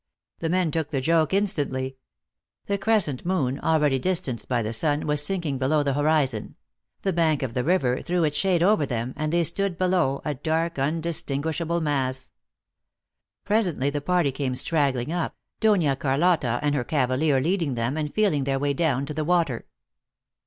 The men took the joke instantly. The crescent moon, already distanced by the sun, was sinking be low the horizon; the bank of the river threw its shade THE ACTRESS IN HIGH LIFE. 303 over them, and they stood below, a dark, undisting uishable mass. Presently the party came straggling up, Dona Car lotta and her cavalier leading them, and feeling their way down to the water.